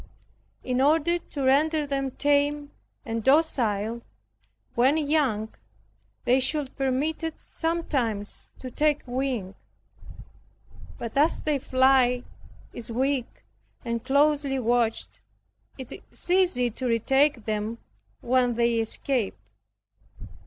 In order to render them tame and docile when young, they should be permitted sometimes to take wing, but as their flight is weak, and closely watched, it is easy to retake them when they escape.